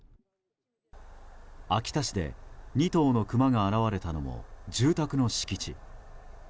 秋田市で２頭のクマが現れたのも住宅の敷地。